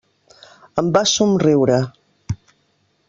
Em va somriure.